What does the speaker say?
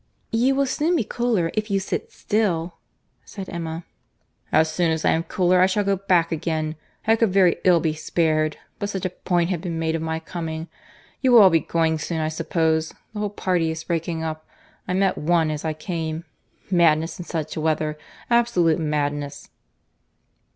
"You will soon be cooler, if you sit still," said Emma. "As soon as I am cooler I shall go back again. I could very ill be spared—but such a point had been made of my coming! You will all be going soon I suppose; the whole party breaking up. I met one as I came—Madness in such weather!—absolute madness!"